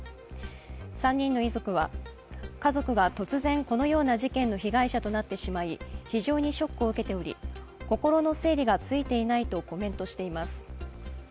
３人の遺族は家族が突然このような事件の被害者となってしまい非常にショックを受けており心の整理がついていないとコメントしています。